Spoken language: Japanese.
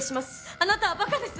あなたはばかです